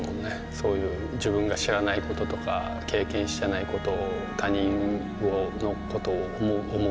そういう自分が知らないこととか経験してないことを他人のことを思うとか